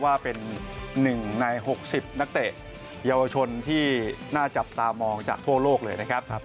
ว่าเป็น๑ใน๖๐นักเตะเยาวชนที่น่าจับตามองจากทั่วโลกเลยนะครับ